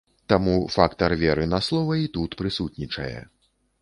Таму фактар веры на слова і тут прысутнічае.